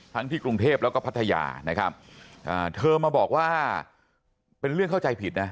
ที่กรุงเทพแล้วก็พัทยานะครับอ่าเธอมาบอกว่าเป็นเรื่องเข้าใจผิดนะ